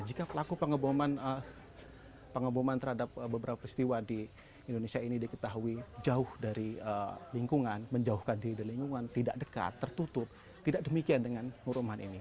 jika pelaku pengeboman terhadap beberapa peristiwa di indonesia ini diketahui jauh dari lingkungan menjauhkan diri di lingkungan tidak dekat tertutup tidak demikian dengan nur rahman ini